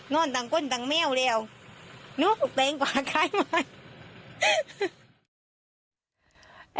นอนต่างคนต่างแม่วแล้วลูกลูกแตงกวาใครไม่